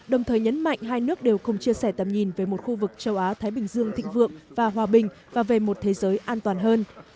đồng thời nhấn mạnh hai nước đều cùng chia sẻ tầm nhìn về một khu vực châu á thái bình dương thịnh vượng và hòa bình và về một thế giới an toàn hơn